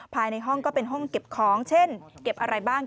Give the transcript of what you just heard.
ภายในห้องก็เป็นห้องเก็บของเช่นเก็บอะไรบ้าง